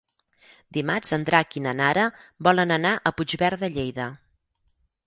Dimarts en Drac i na Nara volen anar a Puigverd de Lleida.